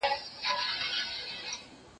هغه څوک چي کالي مينځي پاک اوسي!.